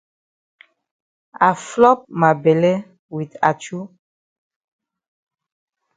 I flop ma bele wit achu.